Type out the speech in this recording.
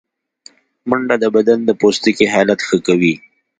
منډه د بدن د پوستکي حالت ښه کوي